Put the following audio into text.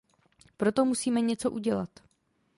Proto musíme něco udělat.